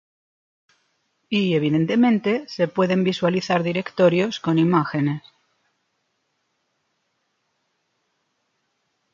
Y, evidentemente, se pueden visualizar directorios con imágenes.